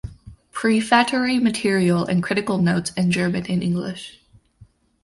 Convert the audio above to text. Prefatory material and critical notes in German and English.